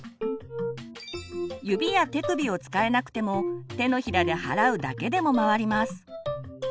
指や手首を使えなくても手のひらで払うだけでも回ります。